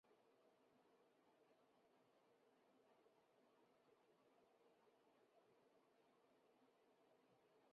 长居陆上竞技场也是举办演唱会的热门场地。